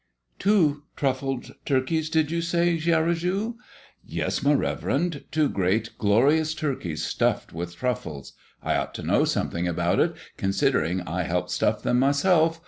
"Two truffled turkeys, did you say, Garrigou?" "Yes, my reverend, two great, glorious turkeys stuffed with truffles. I ought to know something about it, considering I helped stuff them myself.